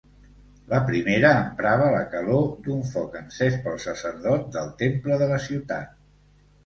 La primera emprava la calor d'un foc encès pel sacerdot del temple de la ciutat.